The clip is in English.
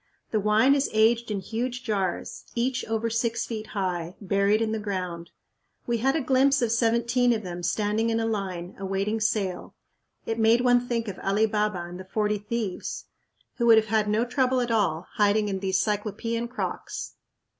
The wine is aged in huge jars, each over six feet high, buried in the ground. We had a glimpse of seventeen of them standing in a line, awaiting sale. It made one think of Ali Baba and the Forty Thieves, who would have had no trouble at all hiding in these Cyclopean crocks.